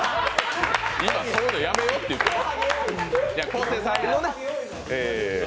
今、そういうのやめよって言ってるのに。